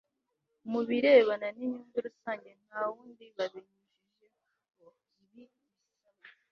mu birebana n inyungu rusange nta wundi babinyujijeho Ibi bisaba